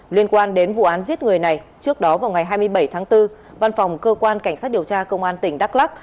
liên quan đến vụ án giết người này trước đó vào ngày hai mươi bảy tháng bốn văn phòng cơ quan cảnh sát điều tra công an tỉnh đắk lắc